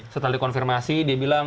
setelah dikonfirmasi dia bilang